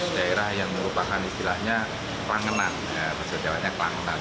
makanan khas daerah yang merupakan istilahnya rangenang